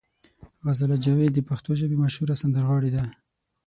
غزاله جاوید د پښتو ژبې مشهوره سندرغاړې ده.